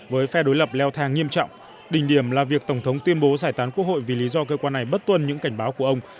với phe đối lập leo thang nghiêm trọng đình điểm là việc tổng thống tuyên bố giải tán quốc hội vì lý do cơ quan này bất tuân những cảnh báo của ông